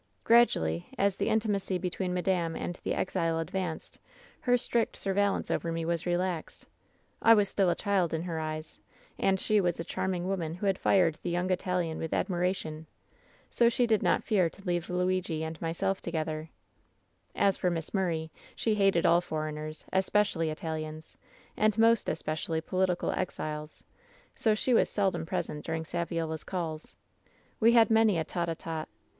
"Gradually, as the intimacy between madame and the exile advanced, her strict surveillance over me was re laxed. I was still a child in her eyes, and she was a charming woman who had fired the young Italian with admiration. So she did not feair to leave Luigi and myself together. "As for Miss Murray, she hated all foreigners, espe* 162 WHEN SHADOWS DIE cially Italians, and most especially political exiles, sn she was seldom present during Saviola's calls. We liad many a tete a tete.